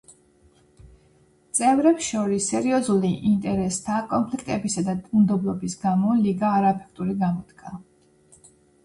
წევრებს შორის სერიოზული ინტერესთა კონფლიქტებისა და უნდობლობის გამო ლიგა არაეფექტური გამოდგა.